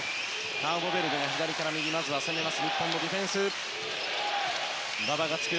カーボベルデが左から右に攻めます。